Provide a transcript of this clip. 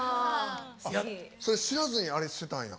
それ知らずにあれしてたんや？